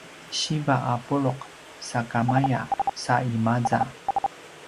siva a pulu’ sakamaya sa i maza